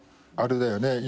あれだよね